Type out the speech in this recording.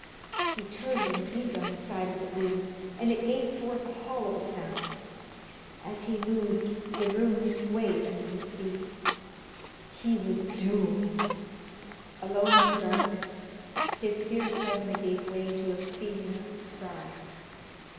He turned and beat on the side of the room, and it gave forth a hollow sound. As he moved, the room swayed under his feet. He was doomed! Alone in the darkness, his fear suddenly gave way to a feeling of pride.